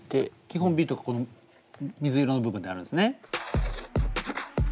基本ビートがこの水色の部分であるんですね。